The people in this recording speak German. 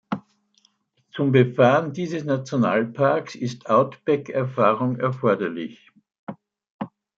Zum Befahren dieses Nationalparks ist Outback-Erfahrung erforderlich.